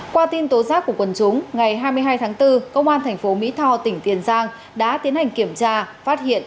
qua tin tố giác của quần chúng ngày hai mươi hai tháng bốn công an tp mỹ tho tỉnh tiền giang đã tiến hành kiểm tra phát hiện